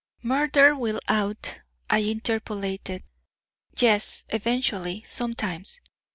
"Murder will out," I interpolated. "Yes, eventually, sometimes.